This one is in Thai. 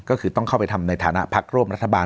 ก็คือต้องเข้าไปทำในฐานะพักร่วมรัฐบาล